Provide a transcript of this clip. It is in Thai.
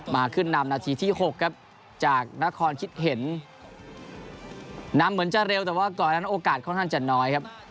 ขึ้นนำนาทีที่๖ครับจากนครคิดเห็นนำเหมือนจะเร็วแต่ว่าก่อนนั้นโอกาสค่อนข้างจะน้อยครับ